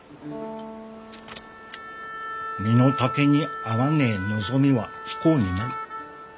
身の丈に合わねえ望みは不幸になる。